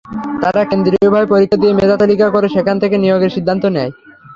তারা কেন্দ্রীয়ভাবে পরীক্ষা নিয়ে মেধাতালিকা করে সেখান থেকে নিয়োগের সিদ্ধান্ত নেয়।